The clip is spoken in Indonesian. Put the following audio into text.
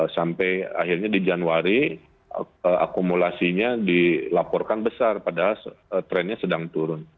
sampai akhirnya di januari akumulasinya dilaporkan besar padahal trennya sedang turun